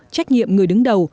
trách nhiệm người đứng đầu